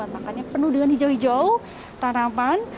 makannya penuh dengan hijau hijau tanaman